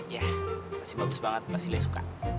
ya pasti bagus banget pasti lia suka